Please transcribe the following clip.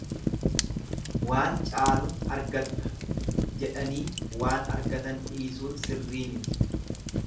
Waan caalun argadha jedhanii waan argatan dhiisuun sirrii miti.